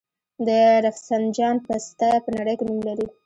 د رفسنجان پسته په نړۍ کې نوم لري.